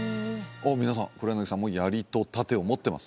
おお皆さん黒柳さんも槍と盾を持ってます